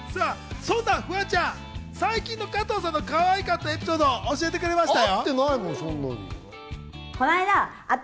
そんなフワちゃん、最近の加藤さんのカワイかったエピソードを教えてくれましたよ。